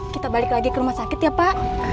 kita balik lagi ke rumah sakit ya pak